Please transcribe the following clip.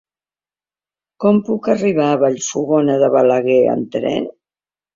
Com puc arribar a Vallfogona de Balaguer amb tren?